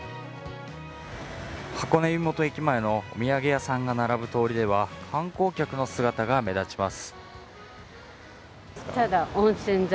箱根湯本駅前の土産屋さんが並ぶ通りでは観光客の姿が目立ちます。